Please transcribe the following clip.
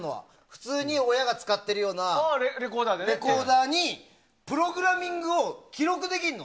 普通に親が使っているようなレコーダーにプログラミングを記録できるの。